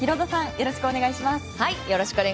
よろしくお願いします。